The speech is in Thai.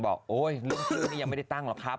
โอ๊ยเรื่องชื่อนี้ยังไม่ได้ตั้งหรอกครับ